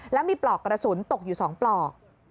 แล้วมีปลอกกระสุนตกอยู่๒ปลอก